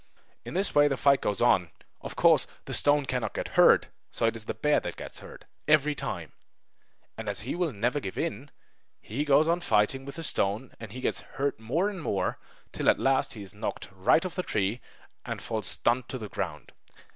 In this way the fight goes on. Of course the stone cannot get hurt; so it is the bear that gets hurt, every time. And as he will never give in, he goes on fighting with the stone, and gets hurt more and more, till at last he is knocked right off the tree, and falls stunned to the ground.